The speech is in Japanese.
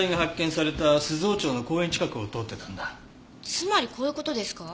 つまりこういう事ですか？